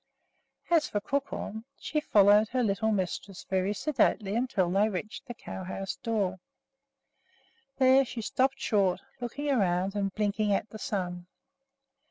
As for Crookhorn, she followed her little mistress very sedately until they reached the cow house door. There she stopped short, looking around and blinking at the sun.